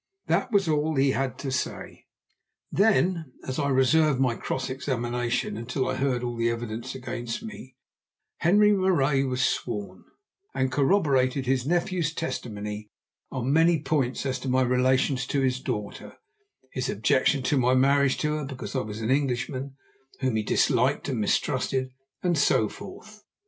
That was all he had to say. Then, as I reserved my cross examination until I heard all the evidence against me, Henri Marais was sworn and corroborated his nephew's testimony on many points as to my relations to his daughter, his objection to my marriage to her because I was an Englishman whom he disliked and mistrusted, and so forth.